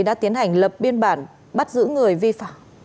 đã tiến hành lập biên bản bắt giữ người vi phạm